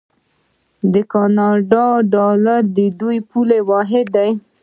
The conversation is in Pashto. د کاناډا ډالر د دوی پولي واحد دی.